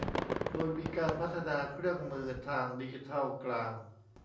โดยมีการพัฒนาเครื่องมือทางดิจิทัลกลาง